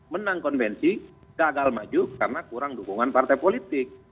menang konvensi gagal maju karena kurang dukungan partai politik